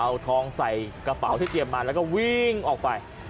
เอาทองใส่กระเป๋าที่เตรียมมาแล้วก็วิ่งออกไป